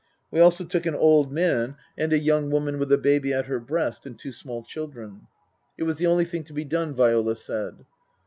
We also took an old man and a young 19* 292 Tasker Jevons woman with a baby at her breast, and two small children. It was the only thing to be done, Viola said.